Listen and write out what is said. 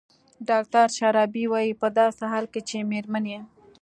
ډاکتر شرابي وايي په داسې حال کې چې مېرمنې